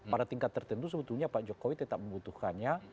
pada tingkat tertentu sebetulnya pak jokowi tetap membutuhkannya